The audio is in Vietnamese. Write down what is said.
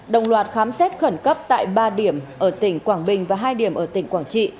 đồng loạt khám xét khẩn cấp tại ba điểm ở tỉnh quảng bình và hai điểm ở tỉnh quảng trị